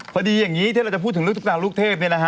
พอดีอย่างนี้ที่จะพูดถึงรูกกระตาลูกเทพนะคะ